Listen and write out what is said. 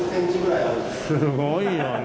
すごいよね。